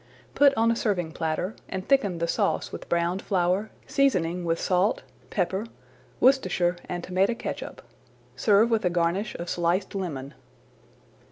Put on a serving platter, and thicken the sauce with browned flour, seasoning with salt, pepper, Worcestershire and tomato catsup. Serve with a garnish of sliced lemon.